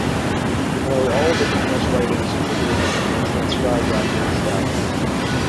Nearly all of the numerous writings attributed to him were transcribed after his death.